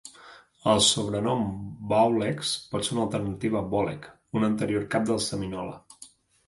El sobrenom "Bowlegs" pot ser una alternativa a "Bolek", un anterior cap dels seminola.